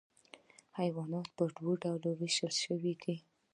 حیوانات په دوه ډلو ویشل شوي دي